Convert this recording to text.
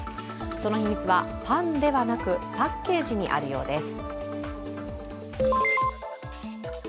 その秘密はパンではなくパッケージにあるようです。